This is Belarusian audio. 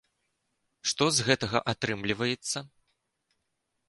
Што з гэтага атрымліваецца?